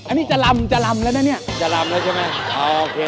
อันนี้จรำจรำแล้วน่ะเนี่ยจรำแล้วใช่ไหมเอาโอเค